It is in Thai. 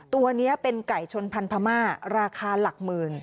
ตัวนี้เป็นไก่ชนพันธม่าราคาหลักหมื่น